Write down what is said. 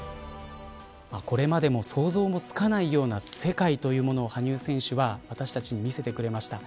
これまでも想像もつかないような世界というものを羽生選手は私たちに見せてくれました。